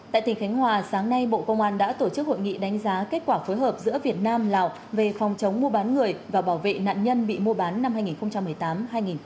tại tỉnh khánh hòa sáng nay bộ công an đã tổ chức hội nghị đánh giá kết quả phối hợp giữa việt nam lào về phòng chống mua bán người và bảo vệ nạn nhân bị mua bán năm hai nghìn một mươi tám hai nghìn một mươi chín